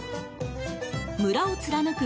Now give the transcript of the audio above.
村を貫く